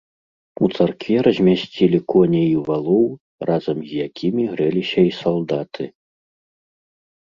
У царкве размясцілі коней і валоў, разам з якімі грэліся і салдаты.